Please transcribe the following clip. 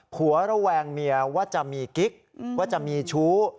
ระแวงเมียว่าจะมีกิ๊กว่าจะมีชู้